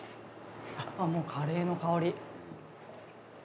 あっもうカレーの香り。